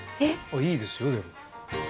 いいですよでも。